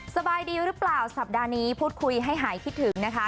สบายดีหรือเปล่าสัปดาห์นี้พูดคุยให้หายคิดถึงนะคะ